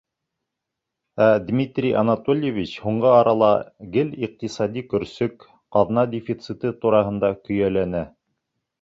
Ә Дмитрий Анатольевич һуңғы арала гел иҡтисади көрсөк, ҡаҙна дефициты тураһында көйәләнә.